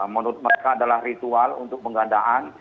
menurut mereka adalah ritual untuk penggandaan